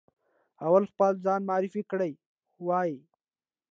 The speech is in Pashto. اول خپل ځان معرفي کړی وي.